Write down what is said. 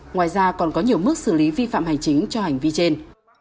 ngoài ra còn có nhiều mức xử lý vi phạm hành chính cho hành vi trên